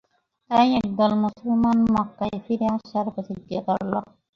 তাই একদল মুসলমান মক্কায় ফিরে আসার প্রতিজ্ঞা করল।